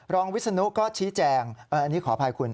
วิศนุก็ชี้แจงอันนี้ขออภัยคุณ